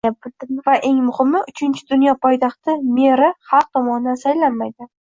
Va eng muhimi, Uchinchi dunyo poytaxti meri xalq tomonidan saylanmaydi